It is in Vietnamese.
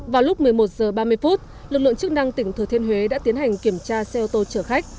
vào lúc một mươi một h ba mươi phút lực lượng chức năng tỉnh thừa thiên huế đã tiến hành kiểm tra xe ô tô chở khách